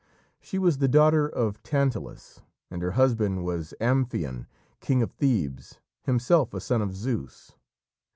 She was the daughter of Tantalus, and her husband was Amphion, King of Thebes, himself a son of Zeus.